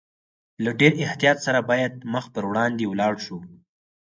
له ډېر احتیاط سره باید مخ پر وړاندې ولاړ شو.